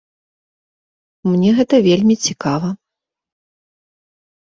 Мне гэта вельмі цікава.